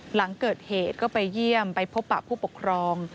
หลังเกิดเหตุก็ไปเยี่ยมไปพบปะผู้ปกครอง